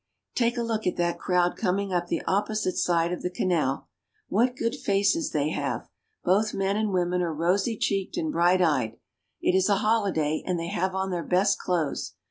Take a look at that crowd coming upon the opposite side of the canal. What good faces they have. Both men and women are rosy cheeked and bright eyed. It is a holiday, and they have on their best clothes.